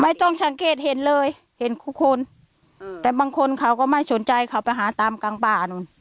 สังเกตเห็นเลยเห็นทุกคนแต่บางคนเขาก็ไม่สนใจเขาไปหาตามกลางป่านู้น